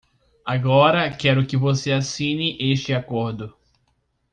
Agora quero que você assine este acordo.